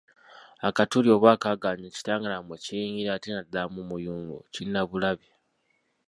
Akatuli oba akaaganya ekitangaala mwe kiyingira ate naddala mu muyungo kinnabulabi.